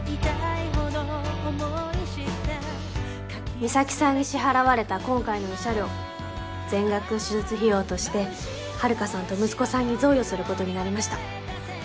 美咲さんに支払われた今回の慰謝料全額手術費用として遥さんと息子さんに贈与することになりました。